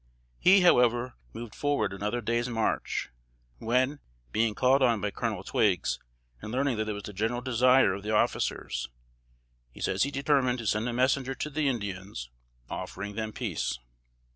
He, however, moved forward another day's march, when, being called on by Colonel Twiggs, and learning that it was the general desire of the officers, he says he determined to send a messenger to the Indians, offering them peace.